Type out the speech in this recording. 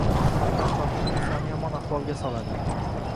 maqtanchoqlik insonni yomon ahvolga soladi